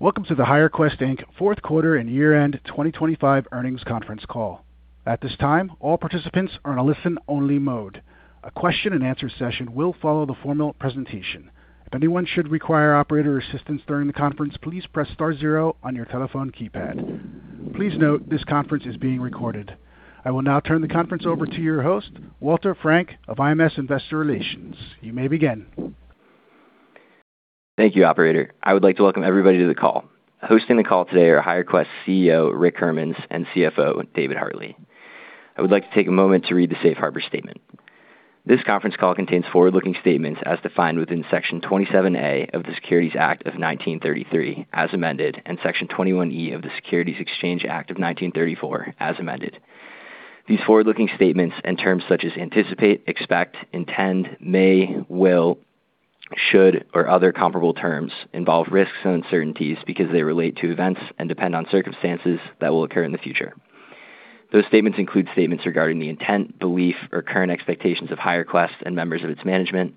Welcome to the HireQuest, Inc. fourth quarter and year-end 2025 earnings conference call. At this time, all participants are on a listen-only mode. A question-and-answer session will follow the formal presentation. If anyone should require operator assistance during the conference, please press star zero on your telephone keypad. Please note this conference is being recorded. I will now turn the conference over to your host, Walter Frank of IMS Investor Relations. You may begin. Thank you, operator. I would like to welcome everybody to the call. Hosting the call today are HireQuest CEO, Rick Hermanns, and CFO, David Hartley. I would like to take a moment to read the safe harbor statement. This conference call contains forward-looking statements as defined within Section 27A of the Securities Act of 1933, as amended, and Section 21E of the Securities Exchange Act of 1934, as amended. These forward-looking statements and terms such as anticipate, expect, intend, may, will, should, or other comparable terms involve risks and uncertainties because they relate to events and depend on circumstances that will occur in the future. Those statements include statements regarding the intent, belief, or current expectations of HireQuest and members of its management,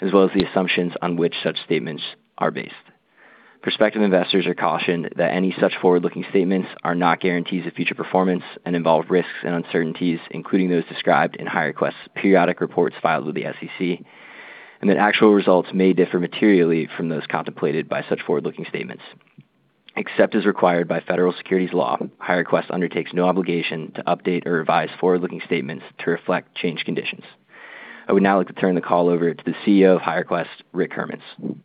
as well as the assumptions on which such statements are based. Prospective investors are cautioned that any such forward-looking statements are not guarantees of future performance and involve risks and uncertainties, including those described in HireQuest's periodic reports filed with the SEC, and that actual results may differ materially from those contemplated by such forward-looking statements. Except as required by federal securities law, HireQuest undertakes no obligation to update or revise forward-looking statements to reflect changed conditions. I would now like to turn the call over to the CEO of HireQuest, Rick Hermanns.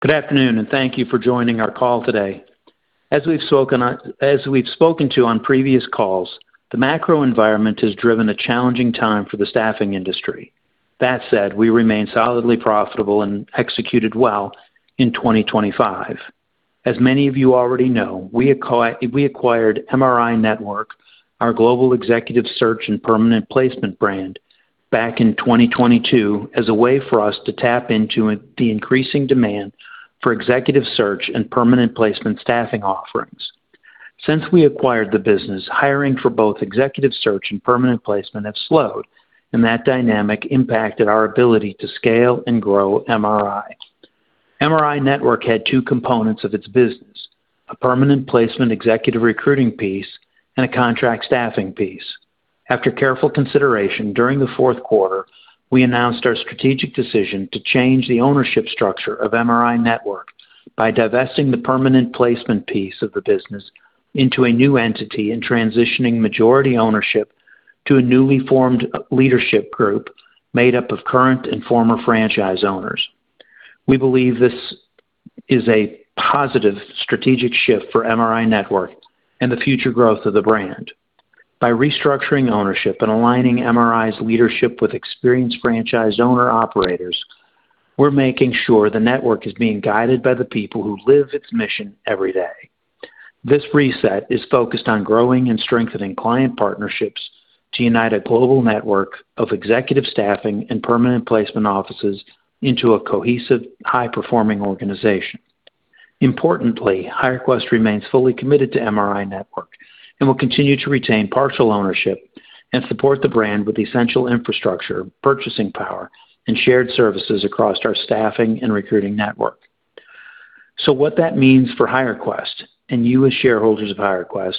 Good afternoon, and thank you for joining our call today. As we've spoken to on previous calls, the macro environment has driven a challenging time for the staffing industry. That said, we remain solidly profitable and executed well in 2025. As many of you already know, we acquired MRINetwork, our global executive search and permanent placement brand, back in 2022 as a way for us to tap into the increasing demand for executive search and permanent placement staffing offerings. Since we acquired the business, hiring for both executive search and permanent placement have slowed, and that dynamic impacted our ability to scale and grow MRI. MRINetwork had two components of its business: a permanent placement executive recruiting piece and a contract staffing piece. After careful consideration during the fourth quarter, we announced our strategic decision to change the ownership structure of MRINetwork by divesting the permanent placement piece of the business into a new entity and transitioning majority ownership to a newly formed leadership group made up of current and former franchise owners. We believe this is a positive strategic shift for MRINetwork and the future growth of the brand. By restructuring ownership and aligning MRI's leadership with experienced franchise owner-operators, we're making sure the network is being guided by the people who live its mission every day. This reset is focused on growing and strengthening client partnerships to unite a global network of executive staffing and permanent placement offices into a cohesive, high-performing organization. Importantly, HireQuest remains fully committed to MRINetwork and will continue to retain partial ownership and support the brand with essential infrastructure, purchasing power, and shared services across our staffing and recruiting network. What that means for HireQuest and you as shareholders of HireQuest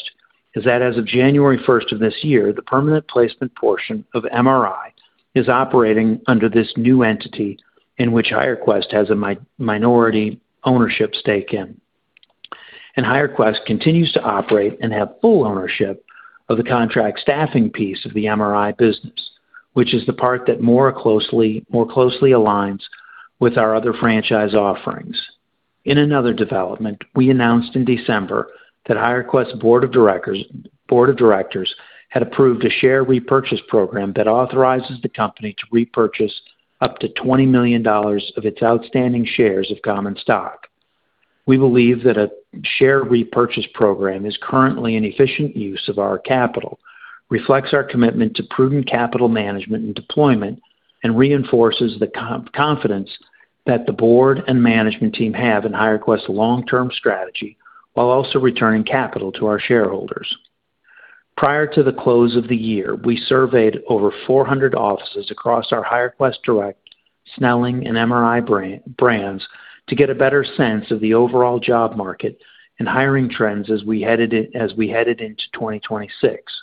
is that as of January 1st of this year, the permanent placement portion of MRI is operating under this new entity in which HireQuest has a minority ownership stake in. HireQuest continues to operate and have full ownership of the contract staffing piece of the MRI business, which is the part that more closely aligns with our other franchise offerings. In another development, we announced in December that HireQuest board of directors had approved a share repurchase program that authorizes the company to repurchase up to $20 million of its outstanding shares of common stock. We believe that a share repurchase program is currently an efficient use of our capital, reflects our commitment to prudent capital management and deployment, and reinforces the confidence that the board and management team have in HireQuest's long-term strategy while also returning capital to our shareholders. Prior to the close of the year, we surveyed over 400 offices across our HireQuest Direct, Snelling, and MRI brands to get a better sense of the overall job market and hiring trends as we headed into 2026.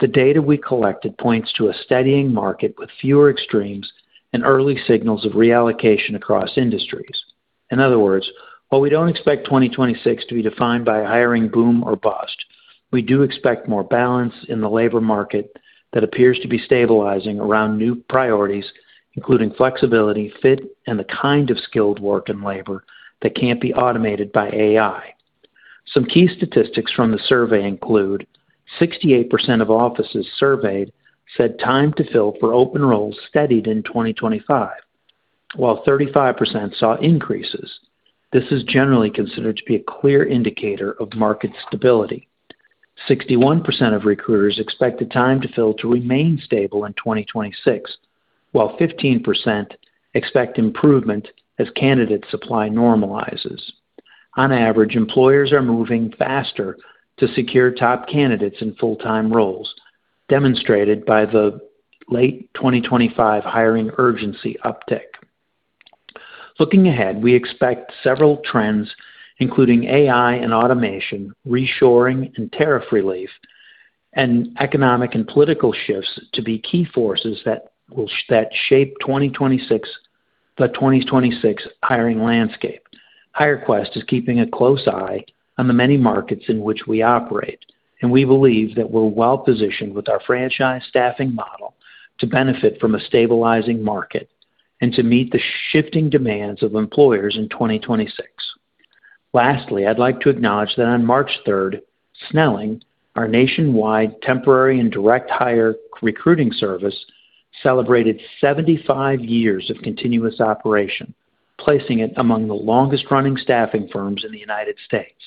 The data we collected points to a steadying market with fewer extremes and early signals of reallocation across industries. In other words, while we don't expect 2026 to be defined by a hiring boom or bust, we do expect more balance in the labor market that appears to be stabilizing around new priorities, including flexibility, fit, and the kind of skilled work and labor that can't be automated by AI. Some key statistics from the survey include 68% of offices surveyed said time to fill for open roles steadied in 2025, while 35% saw increases. This is generally considered to be a clear indicator of market stability. 61% of recruiters expect the time to fill to remain stable in 2026, while 15% expect improvement as candidate supply normalizes. On average, employers are moving faster to secure top candidates in full-time roles, demonstrated by the late 2025 hiring urgency uptick. Looking ahead, we expect several trends, including AI and automation, reshoring and tariff relief, and economic and political shifts to be key forces that will shape 2026, the 2026 hiring landscape. HireQuest is keeping a close eye on the many markets in which we operate, and we believe that we're well-positioned with our franchise staffing model to benefit from a stabilizing market and to meet the shifting demands of employers in 2026. Lastly, I'd like to acknowledge that on March 3rd, Snelling, our nationwide temporary and direct hire recruiting service, celebrated 75 years of continuous operation, placing it among the longest-running staffing firms in the United States.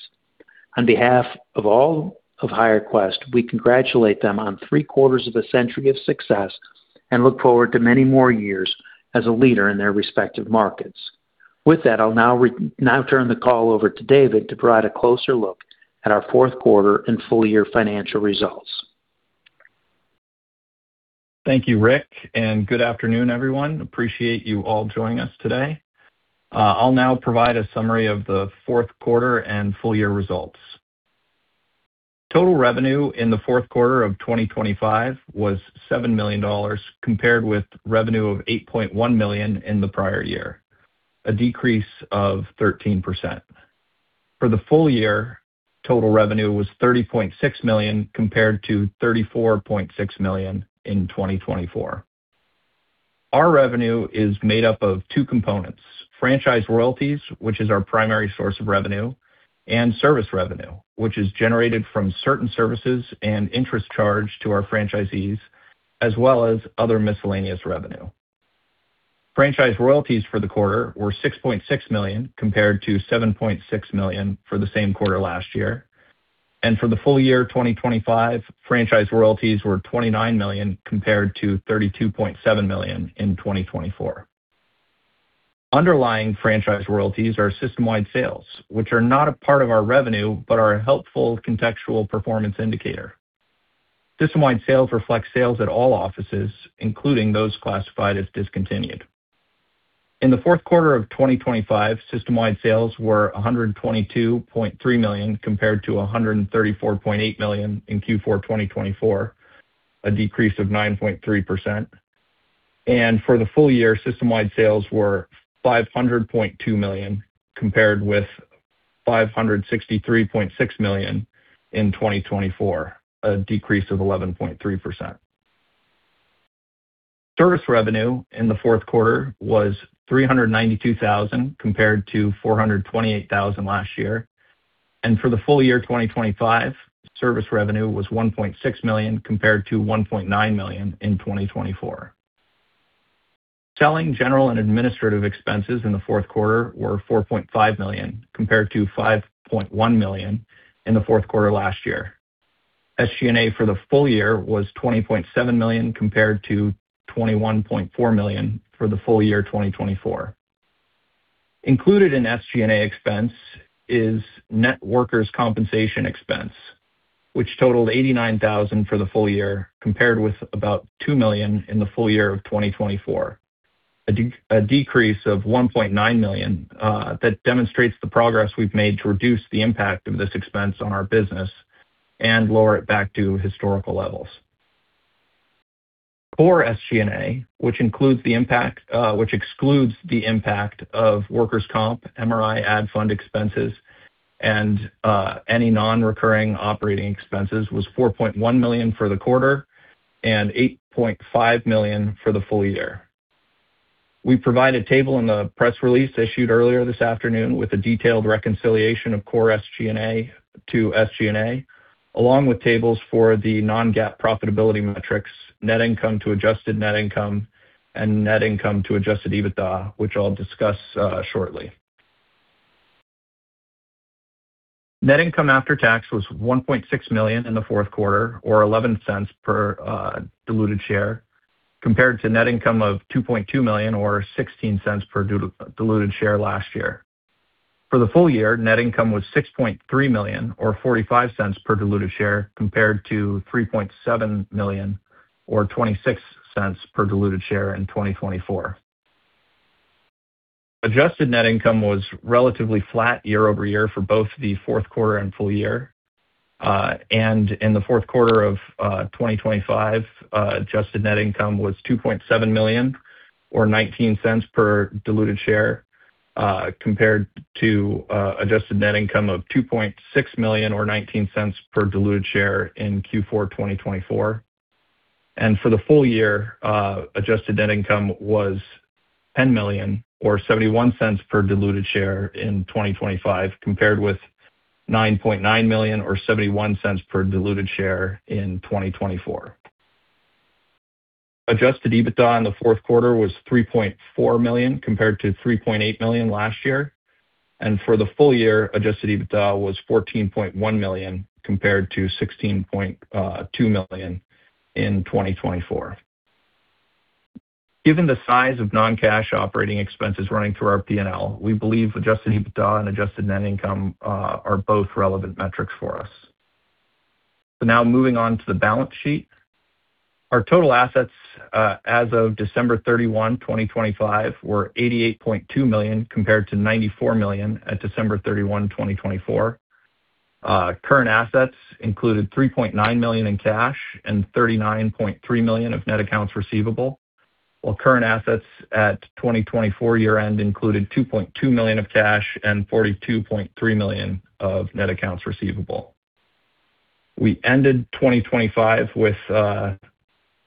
On behalf of all of HireQuest, we congratulate them on three-quarters of a century of success and look forward to many more years as a leader in their respective markets. With that, I'll now turn the call over to David to provide a closer look at our fourth quarter and full-year financial results. Thank you, Rick, and good afternoon, everyone. Appreciate you all joining us today. I'll now provide a summary of the fourth quarter and full year results. Total revenue in the fourth quarter of 2025 was $7 million, compared with revenue of $8.1 million in the prior year, a decrease of 13%. For the full year, total revenue was $30.6 million compared to $34.6 million in 2024. Our revenue is made up of two components, franchise royalties, which is our primary source of revenue, and service revenue, which is generated from certain services and interest charged to our franchisees, as well as other miscellaneous revenue. Franchise royalties for the quarter were $6.6 million compared to $7.6 million for the same quarter last year. For the full year 2025, franchise royalties were $29 million compared to $32.7 million in 2024. Underlying franchise royalties are system-wide sales, which are not a part of our revenue but are a helpful contextual performance indicator. System-wide sales reflect sales at all offices, including those classified as discontinued. In the fourth quarter of 2025, system-wide sales were $122.3 million compared to $134.8 million in Q4 2024, a decrease of 9.3%. For the full year, system-wide sales were $500.2 million compared with $563.6 million in 2024, a decrease of 11.3%. Service revenue in the fourth quarter was $392,000 compared to $428,000 last year. For the full year 2025, service revenue was $1.6 million compared to $1.9 million in 2024. Selling, general, and administrative expenses in the fourth quarter were $4.5 million compared to $5.1 million in the fourth quarter last year. SG&A for the full year was $20.7 million compared to $21.4 million for the full year 2024. Included in SG&A expense is net workers' compensation expense, which totaled $89,000 for the full year, compared with about $2 million in the full year of 2024. A decrease of $1.9 million that demonstrates the progress we've made to reduce the impact of this expense on our business and lower it back to historical levels. Core SG&A, which excludes the impact of workers' comp, MRI ad fund expenses, and any non-recurring operating expenses, was $4.1 million for the quarter and $8.5 million for the full year. We provide a table in the press release issued earlier this afternoon with a detailed reconciliation of core SG&A to SG&A, along with tables for the non-GAAP profitability metrics, net income to adjusted net income and net income to adjusted EBITDA, which I'll discuss shortly. Net income after tax was $1.6 million in the fourth quarter or $0.11 per diluted share, compared to net income of $2.2 million or $0.16 per diluted share last year. For the full year, net income was $6.3 million or $0.45 per diluted share, compared to $3.7 million or $0.26 per diluted share in 2024. Adjusted net income was relatively flat year-over-year for both the fourth quarter and full year. In the fourth quarter of 2025, adjusted net income was $2.7 million or $0.19 per diluted share, compared to adjusted net income of $2.6 million or $0.19 per diluted share in Q4 2024. For the full year, adjusted net income was $10 million or $0.71 per diluted share in 2025, compared with $9.9 million or $0.71 per diluted share in 2024. Adjusted EBITDA in the fourth quarter was $3.4 million compared to $3.8 million last year. For the full year, adjusted EBITDA was $14.1 million compared to $16.2 million in 2024. Given the size of non-cash operating expenses running through our PNL, we believe adjusted EBITDA and adjusted net income are both relevant metrics for us. Now moving on to the balance sheet. Our total assets as of December 31, 2025, were $88.2 million compared to $94 million at December 31, 2024. Current assets included $3.9 million in cash and $39.3 million of net accounts receivable, while current assets at 2024 year-end included $2.2 million of cash and $42.3 million of net accounts receivable. We ended 2025 with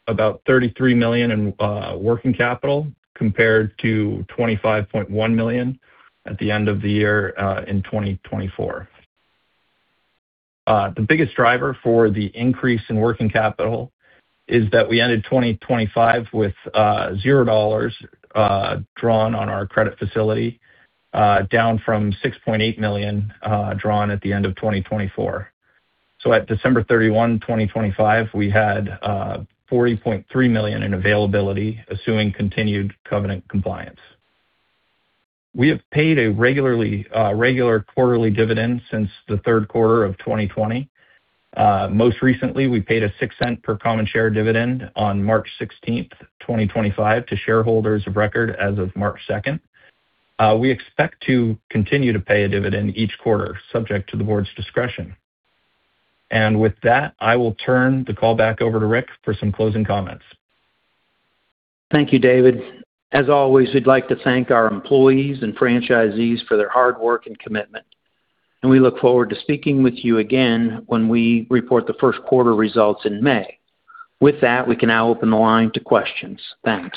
about $33 million in working capital compared to $25.1 million at the end of the year in 2024. The biggest driver for the increase in working capital is that we ended 2025 with $0 drawn on our credit facility down from $6.8 million drawn at the end of 2024. At December 31, 2025, we had $40.3 million in availability, assuming continued covenant compliance. We have paid a regular quarterly dividend since the third quarter of 2020. Most recently, we paid a $0.06 per common share dividend on March 16th, 2025, to shareholders of record as of March 2nd. We expect to continue to pay a dividend each quarter subject to the board's discretion. With that, I will turn the call back over to Rick for some closing comments. Thank you, David. As always, we'd like to thank our employees and franchisees for their hard work and commitment, and we look forward to speaking with you again when we report the first quarter results in May. With that, we can now open the line to questions. Thanks.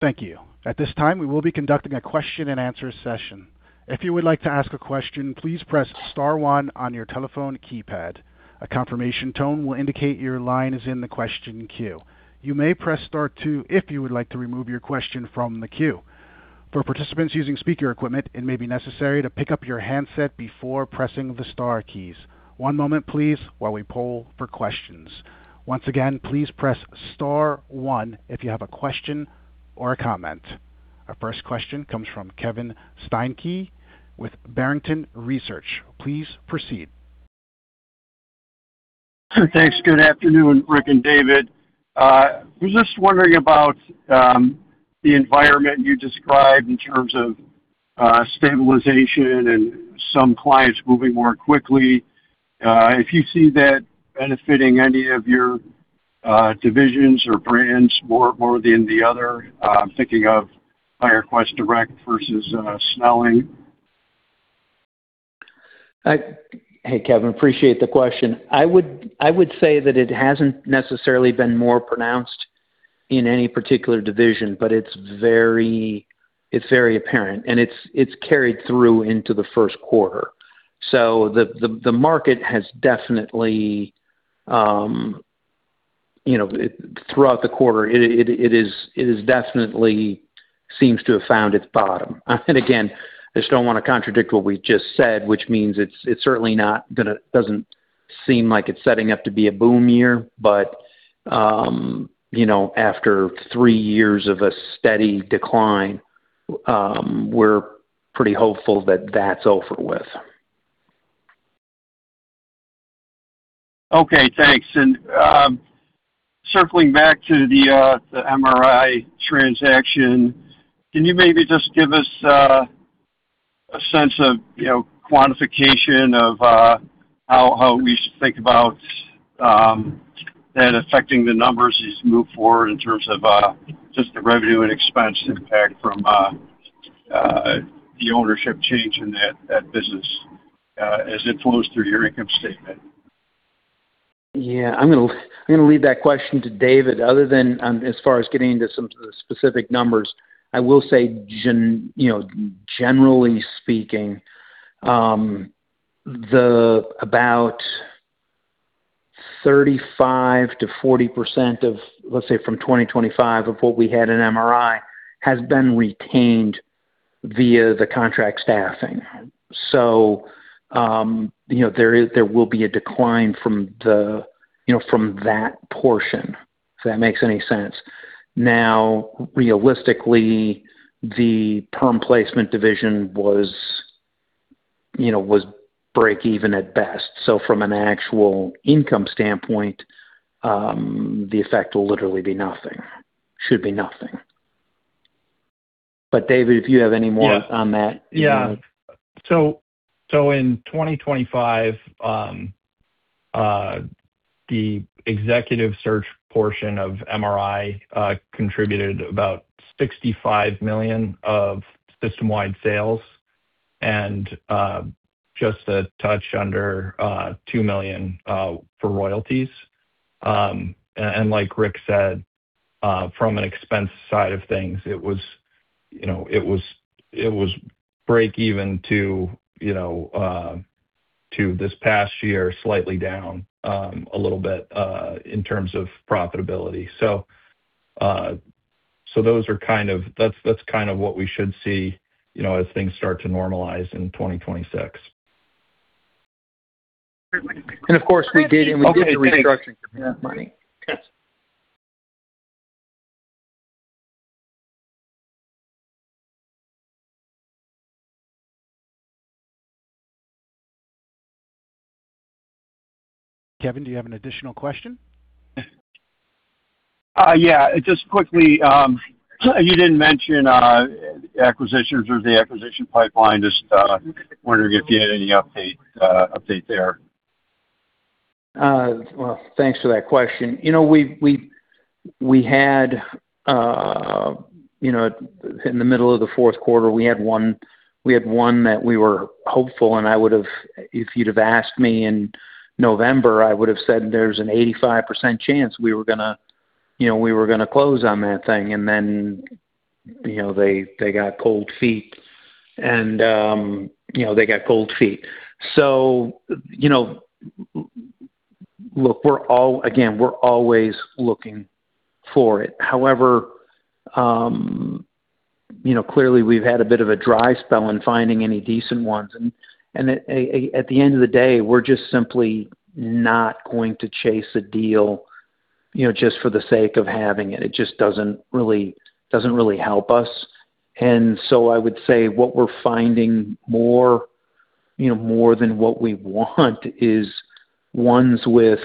Thank you. At this time, we will be conducting a question-and-answer session. If you would like to ask a question, please press star one on your telephone keypad. A confirmation tone will indicate your line is in the question queue. You may press star two if you would like to remove your question from the queue. For participants using speaker equipment, it may be necessary to pick up your handset before pressing the star keys. One moment please while we poll for questions. Once again, please press star one if you have a question or a comment. Our first question comes from Kevin Steinke with Barrington Research. Please proceed. Thanks. Good afternoon, Rick and David. I was just wondering about the environment you described in terms of stabilization and some clients moving more quickly. If you see that benefiting any of your divisions or brands more than the other, I'm thinking of HireQuest Direct versus Snelling. Hey, Kevin, appreciate the question. I would say that it hasn't necessarily been more pronounced in any particular division, but it's very apparent, and it's carried through into the first quarter. The market has definitely, you know, throughout the quarter, it definitely seems to have found its bottom. Again, I just don't want to contradict what we just said, which means it's certainly not gonna doesn't seem like it's setting up to be a boom year. You know, after three years of a steady decline, we're pretty hopeful that that's over with. Okay, thanks. Circling back to the MRI transaction, can you maybe just give us a sense of, you know, quantification of how we should think about that affecting the numbers as you move forward in terms of just the revenue and expense impact from the ownership change in that business as it flows through your income statement? Yeah. I'm gonna leave that question to David other than, as far as getting into some specific numbers. I will say generally speaking, about 35%-40% of, let's say, from 2025 of what we had in MRI has been retained via the contract staffing. You know, there will be a decline from the, you know, from that portion, if that makes any sense. Now, realistically, the permanent placement division was break-even at best. From an actual income standpoint, the effect will literally be nothing. Should be nothing. David, if you have any more on that. Yeah. In 2025, the executive search portion of MRI contributed about $65 million of system-wide sales and just a touch under $2 million for royalties. And like Rick said, from an expense side of things, it was, you know, it was breakeven to, you know, to this past year, slightly down a little bit in terms of profitability. That's kind of what we should see, you know, as things start to normalize in 2026. Of course we did, and we did the restructuring for that money. Okay. Kevin, do you have an additional question? Yeah, just quickly, you didn't mention acquisitions or the acquisition pipeline. Just wondering if you had any update there. Well, thanks for that question. You know, we had, you know, in the middle of the fourth quarter, we had one that we were hopeful, and I would have if you'd have asked me in November, I would have said there's an 85% chance we were gonna close on that thing. Then, you know, they got cold feet. You know, look, we're always looking for it. However, you know, clearly we've had a bit of a dry spell in finding any decent ones. At the end of the day, we're just simply not going to chase a deal, you know, just for the sake of having it. It just doesn't really help us. I would say what we're finding more, you know, more than what we want is ones with,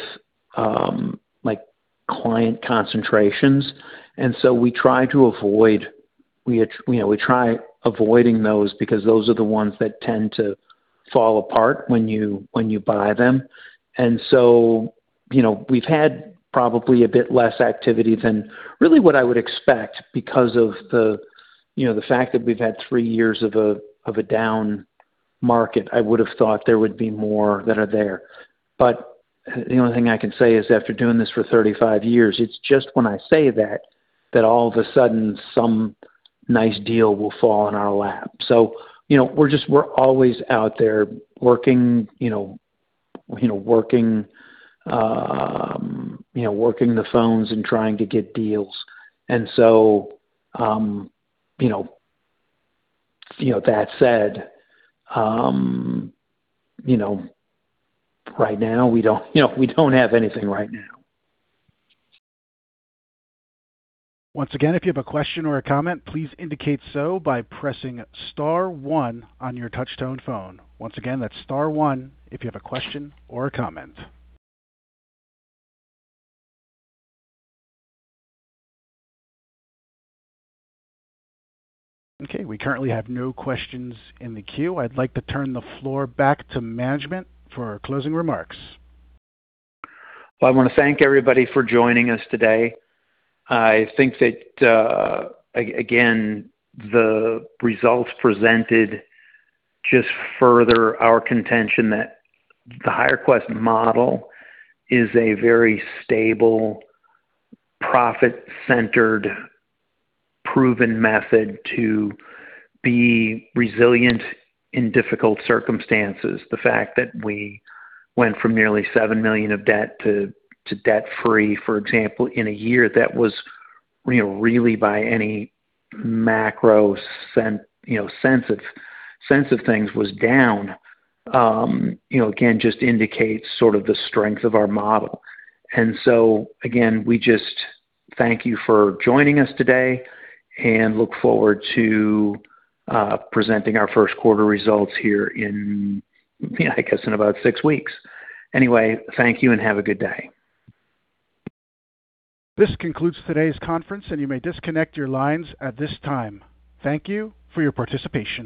like, client concentrations. We try to avoid, you know, those because those are the ones that tend to fall apart when you buy them. You know, we've had probably a bit less activity than really what I would expect because of the, you know, the fact that we've had three years of a down market. I would have thought there would be more that are there. The only thing I can say is after doing this for 35 years, it's just when I say that all of a sudden some nice deal will fall in our lap. You know, we're always out there working the phones and trying to get deals. That said, you know, right now we don't have anything right now. Once again, if you have a question or a comment, please indicate so by pressing star one on your touch-tone phone. Once again, that's star one if you have a question or a comment. Okay. We currently have no questions in the queue. I'd like to turn the floor back to management for closing remarks. Well, I want to thank everybody for joining us today. I think that again, the results presented just further our contention that the HireQuest model is a very stable, profit-centered, proven method to be resilient in difficult circumstances. The fact that we went from nearly $7 million of debt to debt free, for example, in a year that was, you know, really by any macro sense of things was down, you know, again, just indicates sort of the strength of our model. Again, we just thank you for joining us today and look forward to presenting our first quarter results here in, you know, I guess in about six weeks. Anyway, thank you and have a good day. This concludes today's conference, and you may disconnect your lines at this time. Thank you for your participation.